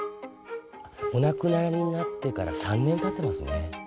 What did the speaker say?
お亡くなりになってから３年たってますね。